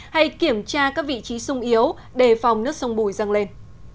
hay kiểm tra các vị trí sung yếu đề phòng nước sông bùi răng lên